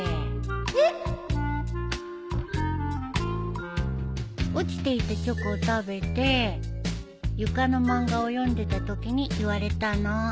えっ？落ちていたチョコを食べて床の漫画を読んでたときに言われたの。